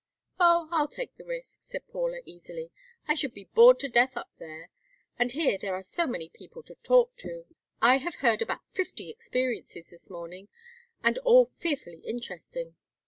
"Oh, I'll take the risk," said Paula, easily. "I should be bored to death up there, and here there are so many people to talk to. I have heard about fifty experiences this morning, and all fearfully interesting.